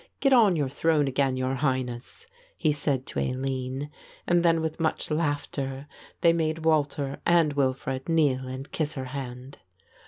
Get on your throne again, Your Highness," he said to Aline, and then with much laughter they made Walter and Wilfred kneel and kiss her hand.